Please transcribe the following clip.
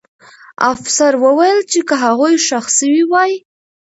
افسر وویل چې که هغوی ښخ سوي وای.